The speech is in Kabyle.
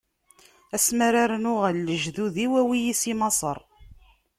Ass mi ara rnuɣ ɣer lejdud-iw, awi-yi si Maṣer.